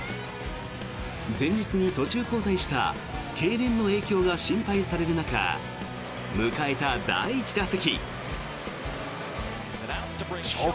前日に途中交代したけいれんの影響が心配される中迎えた第１打席。